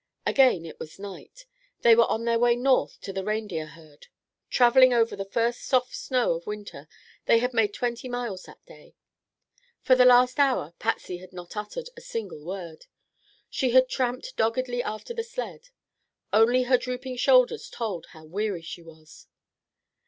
Again it was night. They were on their way north to the reindeer herd. Traveling over the first soft snow of winter, they had made twenty miles that day. For the last hour Patsy had not uttered a single word. She had tramped doggedly after the sled. Only her drooping shoulders told how weary she was.